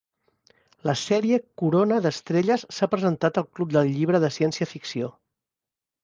La sèrie Corona d'estrelles s'ha presentat al Club del llibre de ciència-ficció.